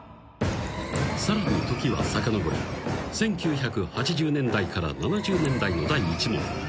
［さらに時はさかのぼり１９８０年代から７０年代の第１問］